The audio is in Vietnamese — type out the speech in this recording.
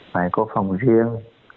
phải có phòng riêng